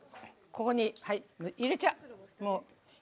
ここに入れちゃう。